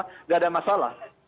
tidak ada masalah